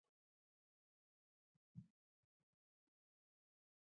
احمد ولاړ، نور يې مه يادوه.